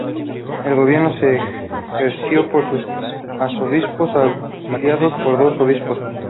El gobierno es ejercido por un arzobispo auxiliado por dos obispos.